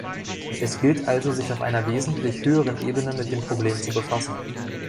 Es gilt also, sich auf einer wesentlich höheren Ebene mit dem Problem zu befassen.